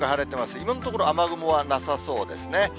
今のところ、雨雲はなさそうですね。